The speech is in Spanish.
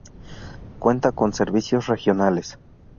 Cuenta con servicios regionales.